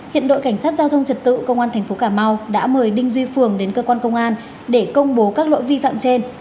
hiện đội cảnh sát giao thông trật tự công an tp cà mau đã mời đinh duy phường đến cơ quan công an để công bố các lỗi vi phạm trên